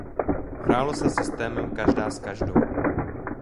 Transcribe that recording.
Hrálo se systémem každá s každou.